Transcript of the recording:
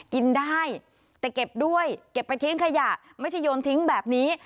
กินได้แต่เก็บด้วยเก็บไปทิ้งขยะไม่ใช่โยนทิ้งแบบนี้